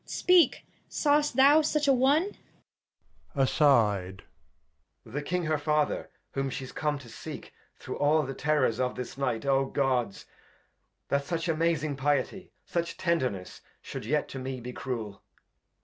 — Speak, sawest thou such a one ? Edg. The King her Father, whom she's come to seek ; Through all the Terrors of this Night : OGods! [Aside. That such amazing Piety, such Tenderness Shou'd yet to me be Cruel.